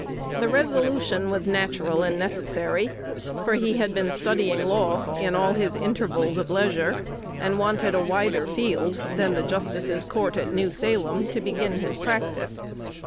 The resolution was natural and necessary; for he had been studying law in all his intervals of leisure, and wanted a wider field than the justice's court at New Salem to begin the practice.